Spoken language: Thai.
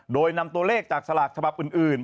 โดยนำตัวเลขจากสลากฉบับอื่น